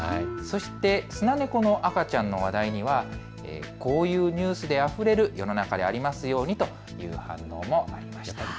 そしてスナネコの赤ちゃんの話題にはこういうニュースであふれる世の中でありますようにという反応がありました。